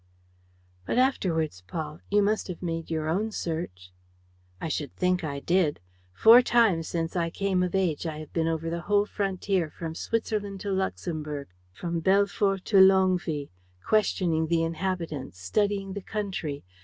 "But afterwards, Paul, you must have made your own search?" "I should think I did! Four times since I came of age I have been over the whole frontier from Switzerland to Luxemburg, from Belfort to Longwy, questioning the inhabitants, studying the country.